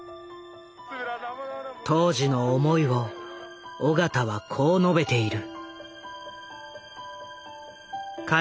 当時の思いを緒方はこう述べている。